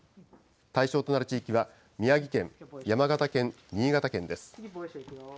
対象となる地域は、宮城県、山形県、新潟県です。